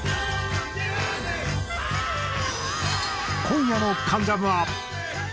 今夜の『関ジャム』は。